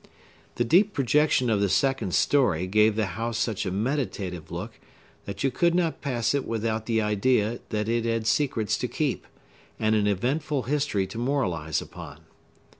The deep projection of the second story gave the house such a meditative look, that you could not pass it without the idea that it had secrets to keep, and an eventful history to moralize upon.